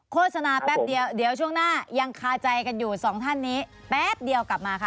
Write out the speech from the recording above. โฆษณาแป๊บเดียวเดี๋ยวช่วงหน้ายังคาใจกันอยู่สองท่านนี้แป๊บเดียวกลับมาค่ะ